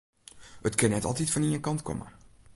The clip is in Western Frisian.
It kin net altyd fan ien kant komme.